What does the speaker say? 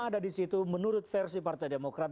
ada disitu menurut versi partai demokrat